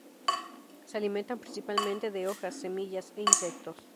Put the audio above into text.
Se alimentan principalmente de hojas, semillas, e insectos.